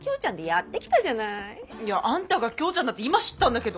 いやあんたが京ちゃんだって今知ったんだけど。